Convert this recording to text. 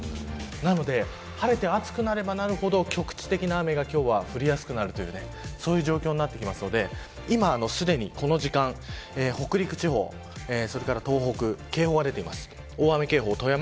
なので晴れて暑くなればなるほど局地的な雨が今日は降りやすくなるそういう状況になってきますので今すでにこの時間帯北陸地方、それから東北警報が出ています。